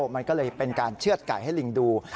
มันก็เลยเป็นการเชื่อดไก่ให้ลิงดู